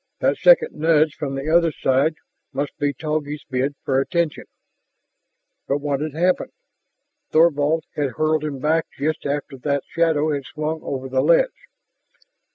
That second nudge from the other side must be Togi's bid for attention. But what had happened? Thorvald had hurled him back just after that shadow had swung over the ledge.